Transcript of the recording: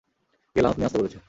কে lunch নিয়ে আসতে বলেছে?